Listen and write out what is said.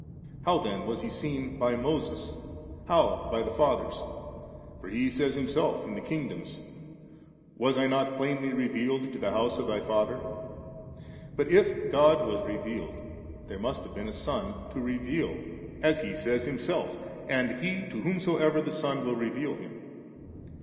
How then was He seen by Moses, how by the Others? for He says Himself in the Kingdoms, 'Was I not plainly revealed to the house of thy fathers ?' But if God was revealed, there must have been a Son to reveal, as He says Himself, ' And he to whomsoever the Son will reveal Him.'